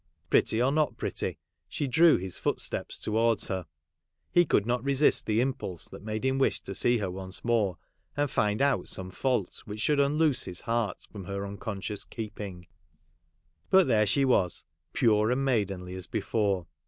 Pretty, or not pretty, she drew his footsteps towards her ; he could not resist the impulse that made him wish to see her once more, and find out some fault which should unloose his heart from her unconscious keeping. But there she was, pure and maidenly as before.